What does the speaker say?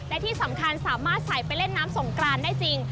และที่สำคัญสามารถใส่ไปเล่นน้ำสงกรานได้จริง